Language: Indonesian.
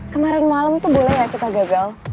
kemarin malem tuh boleh ya kita gagal